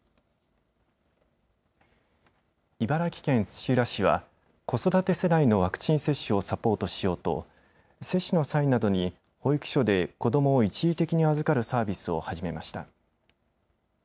茨城県土浦市は子育て世代のワクチン接種をサポートしようと接種の際などに保育所で子どもを一時的に預かるサービスを始めました。